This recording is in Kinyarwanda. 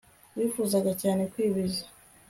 wifuzaga cyane kwibiza